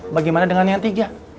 bagaimana dengan yang tiga